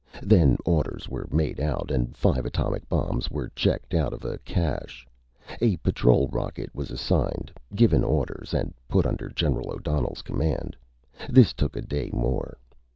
Then orders were made out, and five atomic bombs were checked out of a cache. A patrol rocket was assigned, given orders, and put under General O'Donnell's command. This took a day more.